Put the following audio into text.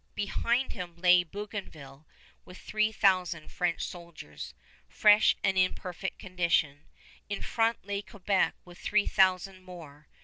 Behind him lay Bougainville with three thousand French soldiers, fresh and in perfect condition. In front lay Quebec with three thousand more.